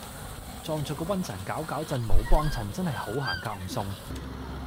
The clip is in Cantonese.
撞著個瘟神攪攪震冇幫襯真喺好行夾唔送